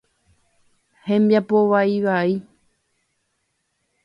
Hembiapo vaivai.